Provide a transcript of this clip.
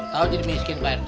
tau jadi miskin pak rt